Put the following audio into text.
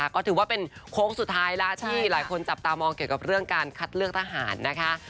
ก็ถือว่าเป็นโค้งสุดท้ายแล้วที่หลายคนจับตามองเกี่ยวกับเรื่องการคัดเลือกทหารนะคะ